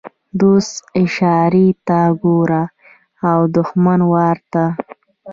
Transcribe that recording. ـ دوست اشارې ته ګوري او دښمن وارې ته.